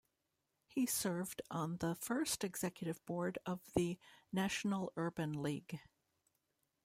He served on the first Executive Board of the National Urban League.